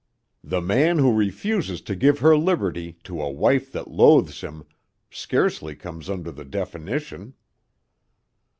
"The man who refuses to give her liberty to a wife that loathes him, scarcely comes under the definition."